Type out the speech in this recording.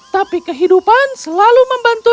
tapi kehidupan selalu membantu